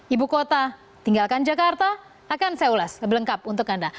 ibu kota tinggalkan jakarta akan saya ulas lebih lengkap untuk anda